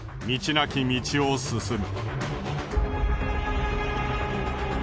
なき道を進む。